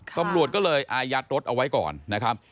ตำรวจก็เลยอายัดรถเอาไว้ก่อนนะครับ